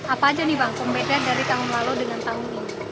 apa aja nih bang pembedaan dari tahun lalu dengan tahun ini